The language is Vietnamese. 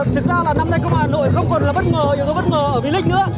thực ra là năm nay công an hà nội không còn là bất ngờ nhiều hơn bất ngờ ở vy lịch nữa